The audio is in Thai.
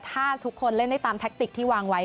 ถ้าทุกคนเล่นได้ตามแท็กติกที่วางไว้